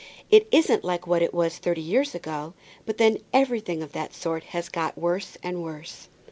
"It isn't like what it was thirty years ago, but then everything of that sort has got worse and worse."